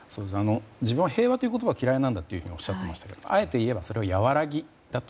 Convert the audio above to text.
自分は平和という言葉は嫌いなんだとおっしゃっていましたがあえて言えばそれはやわらぎだと。